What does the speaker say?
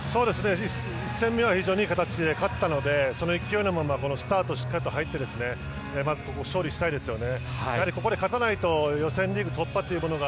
１戦目は非常にいい形で勝ったのでその勢いのまましっかりと入ってまず、ここは勝利したいですね。